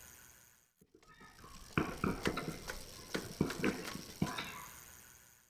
属邕州羁縻。